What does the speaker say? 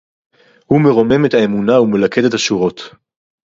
הוּא מְרוֹמֵם אֶת הָאֱמוּנָה וּמְלַכֵּד אֶת הַשּׁוּרוֹת